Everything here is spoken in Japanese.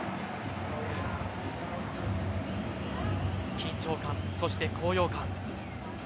緊張感、そして高揚感。